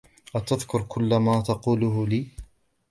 أتذكر كل ما تقوله لي.